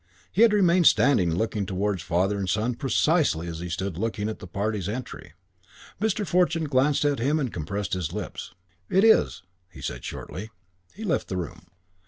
He had remained standing looking towards father and son precisely as he had stood and looked at the party's entry. Mr. Fortune glanced sharply at him and compressed his lips. "It is," he said shortly. He left the room.